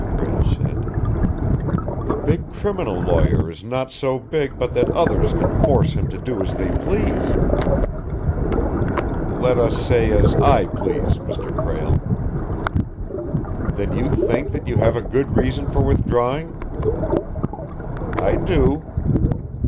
Prale said. "The big criminal lawyer is not so big but that others can force him to do as they please." "Let us say as I please, Mr. Prale." "Then you think that you have a good reason for withdrawing?" "I do."